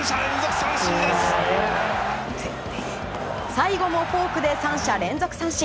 最後もフォークで３者連続三振。